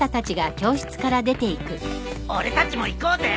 俺たちも行こうぜ。